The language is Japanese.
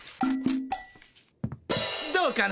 どうかな。